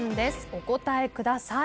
お答えください。